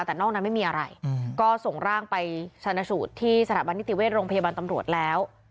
แต่นอกนั้นไม่มีอะไรก็ส่งร่างไปชนะสูตรที่สถาบันนิติเวชโรงพยาบาลตำรวจแล้ว